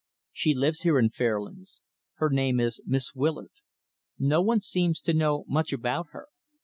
She lives here in Fairlands. Her name is Miss Willard. No one seems to know much about her.